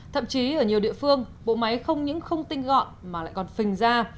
thậm chí ở nhiều địa phương bộ máy không những không tinh gọn mà lại còn phình ra